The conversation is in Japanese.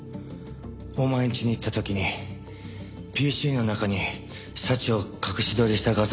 お前んちに行った時にＰＣの中に早智を隠し撮りした画像ファイルがあったの。